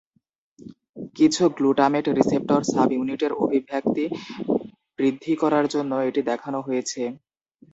কিছু glutamate receptor সাব-ইউনিটের অভিব্যক্তি বৃদ্ধি করার জন্য এটি দেখানো হয়েছে।